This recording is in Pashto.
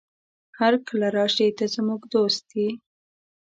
هرکله راشې، ته زموږ دوست يې.